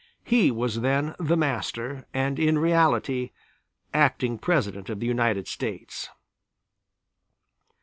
He was then the Master, and in reality Acting President of the United States.